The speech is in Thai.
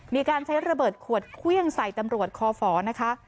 มีการใช้ระเบิดขวดเครื่องใส่ตำรวจคอฝนะคะ